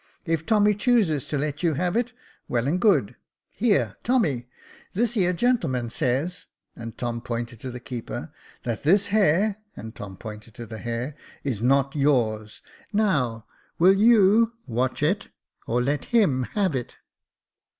If Tommy chooses to let you have it, well and good. Here, Tommy, this here gentleman says " (and Tom pointed to the keeper) " that this hare " (and Tom pointed to the hare) *' is not yours ; now will you * watch it,' or let him have it